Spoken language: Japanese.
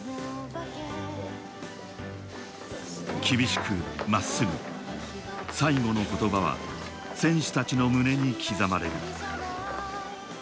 厳しく真っすぐ、最後の言葉は選手たちの胸に刻まれる。